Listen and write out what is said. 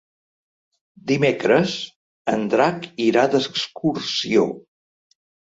Dimecres en Drac irà d'excursió.